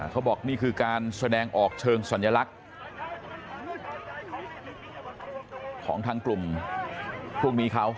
เขาบอกนี่คือการแสดงออกเชิงสัญลักษณ์ของทางกลุ่มพวกนี้เขา